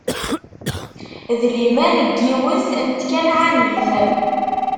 D liman n yiwet n tkanɛanit.